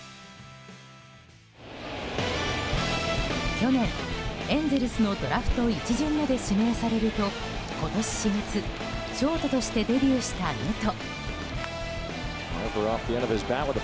去年、エンゼルスのドラフト１巡目で指名されると今年４月、ショートとしてデビューしたネト。